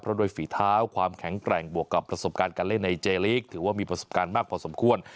โดยฝีเท้าความแข็งแกร่งบวกกับประสบการณ์การเล่นในเจลีกถือว่ามีประสบการณ์มากพอสมควร